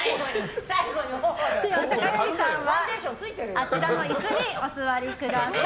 酒寄さんはあちらの椅子にお座りください。